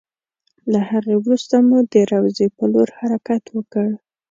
له هغې وروسته مو د روضې په لور حرکت وکړ.